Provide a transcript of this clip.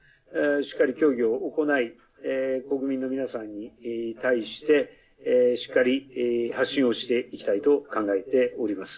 しっかり協議を行い国民の皆さんに対してしっかり発信をしていきたいと考えております。